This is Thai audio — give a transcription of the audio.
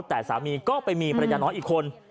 แต่สามีก็ไปมีภรรยาน้อยอีกคน